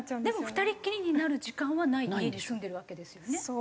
でも２人きりになる時間はない家に住んでるわけですよね。